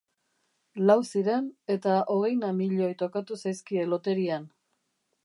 Lau ziren eta hogeina milioi tokatu zaizkie loterian.